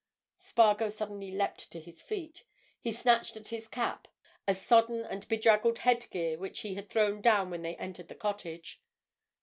Spargo suddenly leapt to his feet. He snatched at his cap—a sodden and bedraggled headgear which he had thrown down when they entered the cottage.